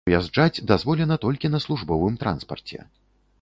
Уязджаць дазволена толькі на службовым транспарце.